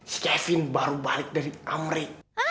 si kevin baru balik dari amrik